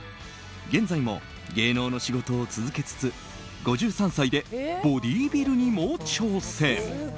現在も芸能の仕事を続けつつ５３歳でボディービルにも挑戦。